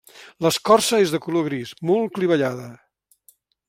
L'escorça és de color gris, molt clivellada.